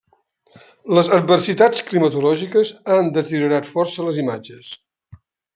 Les adversitats climatològiques han deteriorat força les imatges.